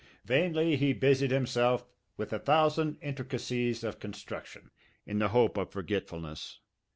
Vainly he busied himself with a thousand intricacies of construction, in the hope of forgetfulness.